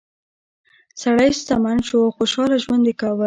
سړی شتمن شو او خوشحاله ژوند یې کاوه.